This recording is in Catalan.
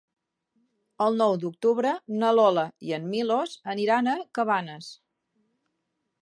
El nou d'octubre na Lola i en Milos aniran a Cabanes.